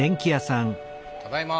ただいま！